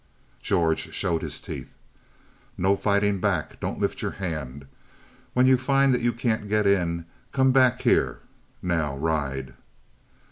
George showed his teeth. "No fighting back. Don't lift your hand. When you find that you can't get in, come back here. Now, ride."